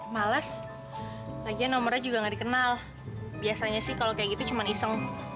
males lagian nomornya juga gak dikenal biasanya sih kalau kayak gitu cuma iseng